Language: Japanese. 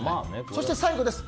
そして、最後です。